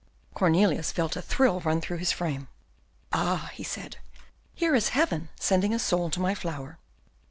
Cornelius felt a thrill run through his frame. "Ah!" he said, "here is Heaven sending a soul to my flower."